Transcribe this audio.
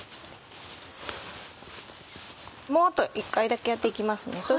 あと１回だけやって行きますね。